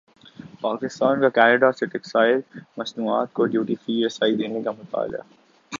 پاکستان کاکینیڈا سے ٹیکسٹائل مصنوعات کو ڈیوٹی فری رسائی دینے کامطالبہ